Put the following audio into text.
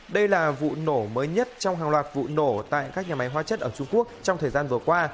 đây là vụ nổ mới nhất trong hàng loạt vụ nổ tại các nhà máy hóa chất ở trung quốc trong thời gian vừa qua